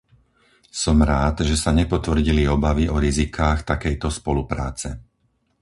Som rád, že sa nepotvrdili obavy o rizikách takejto spolupráce.